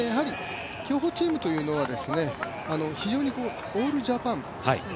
競歩チームというのは非常に、オールジャパン。